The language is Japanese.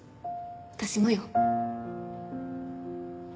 私もよ。